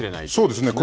そうですね。